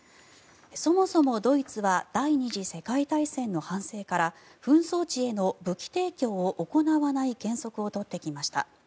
そもそもドイツは第２次世界大戦の反省から紛争地への武器提供を行わない原則を取ってきました。